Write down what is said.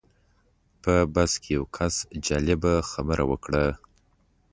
په بس کې یو کس جالبه خبره وکړه.